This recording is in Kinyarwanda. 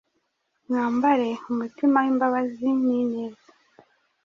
mwambare umutima w’imbabazi n’ineza,